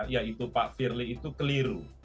yaitu pak firly itu keliru